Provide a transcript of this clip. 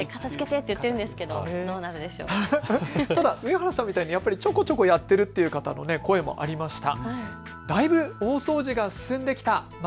ただ上原さんのようにちょこちょこやっているという方の声もありました。